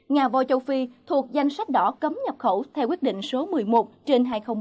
nhà vòi châu phi thuộc danh sách đỏ cấm nhập khẩu theo quyết định số một mươi một trên hai nghìn một mươi ba